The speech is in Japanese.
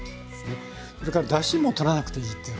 それからだしもとらなくていいっていう。